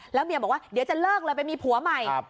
แล้วเมียบอกว่าเดี๋ยวจะเลิกเลยไปมีผัวใหม่